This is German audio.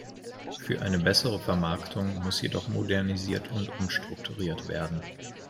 Für eine bessere Vermarktung muss jedoch modernisiert und umstrukturiert werden.